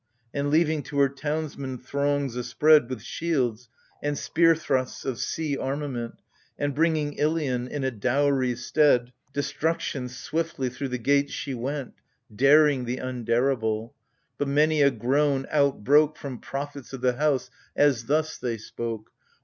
And, leaving to her townsmen throngs a spread With shields, and spear thrusts of sea armament. And bringing Ilion, in a dowry's stead, AGAMEMNON. 35 Destruction — swiftly through the gates she went, Daring the undareable. But many a groan outbroke From prophets of the House as thus they spoke.